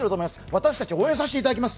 私たち応援させていただきます。